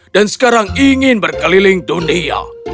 dan sekarang ingin berkeliling dunia